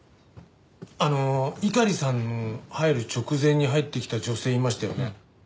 あの猪狩さんの入る直前に入ってきた女性いましたよね？